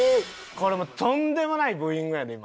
これもうとんでもないブーイングやで今。